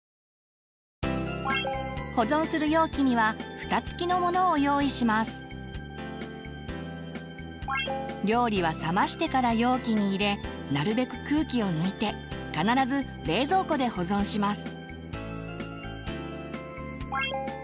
ここで料理は冷ましてから容器に入れなるべく空気を抜いて必ず冷蔵庫で保存します。